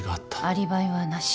アリバイはなし。